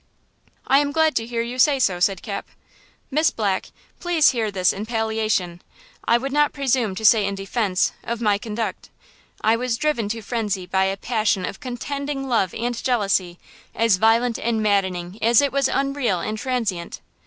"I am glad to hear you say so," said Cap. "Miss Black, please hear this in palliation–I would not presume to say in defense–of my conduct: I was driven to frenzy by a passion of contending love and jealousy as violent and maddening as it was unreal and transient.